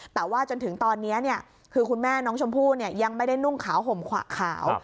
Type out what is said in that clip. แต่ว่าจนถึงตอนนี้คือคุณแม่น้องชมพู่ยังไม่ได้นุ่งขาวห่มขวะขาว